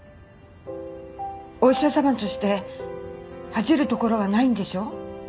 お医者様として恥じるところはないんでしょ？